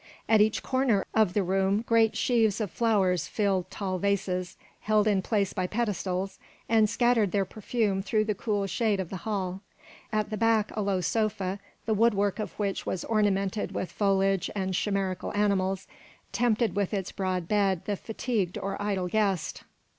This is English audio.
At each corner of the room great sheaves of flowers filled tall vases, held in place by pedestals, and scattered their perfume through the cool shade of the hall. At the back a low sofa, the wood work of which was ornamented with foliage and chimerical animals, tempted with its broad bed the fatigued or idle guest.